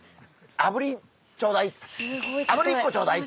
あぶり１個ちょうだい！